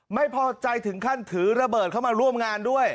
ไม่พอใจถึงขั้นถือระเบิดเข้ามาร่วมงานด้วย